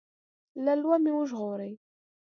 له لومې وژغوري.